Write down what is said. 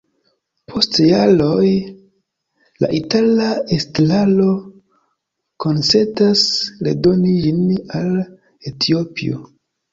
Post jaroj, la itala estraro konsentas redoni ĝin al Etiopio.